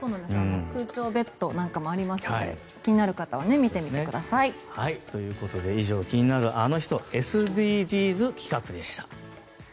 空調ベッドなんかもありますので気になる方は見てみてください。ということで気になるアノ人ＳＤＧｓ企画でした。